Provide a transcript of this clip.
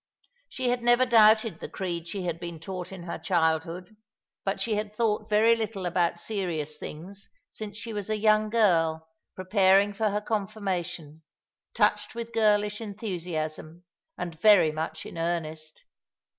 She had never doubted the creed she had been taught in her childhood, but she had thought very 254 ^^^ along the River. little about serious things, since she was a young girl, pre paring for her confirmation, touched'with girlish enthusiasm, and very much in earnest.